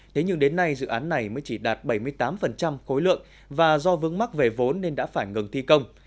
thế nhưng đến nay dự án này mới chỉ đạt bảy mươi tám khối lượng và do vướng mắc về vốn nên đã phải ngừng thi công